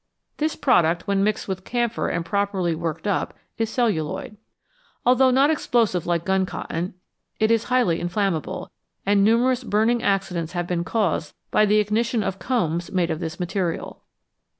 This product, when mixed with camphor and properly worked up, is celluloid. Although not explosive like gun cotton, it is highly inflammable, and numerous burning accidents have been caused by the ignition of combs made of this material.